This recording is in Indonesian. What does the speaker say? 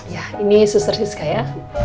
ya ini suster siska ya